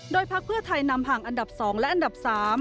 พักเพื่อไทยนำห่างอันดับ๒และอันดับ๓